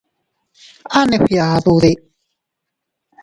¿A neʼe fgiadude?